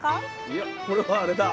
いやこれはあれだ。